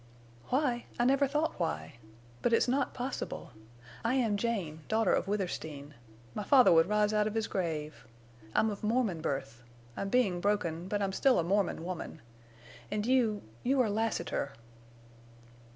"Why! I never thought why. But it's not possible. I am Jane, daughter of Withersteen. My father would rise out of his grave. I'm of Mormon birth. I'm being broken. But I'm still a Mormon woman. And you—you are Lassiter!"